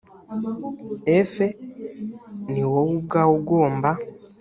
efe ni wowe ubwawe ugomba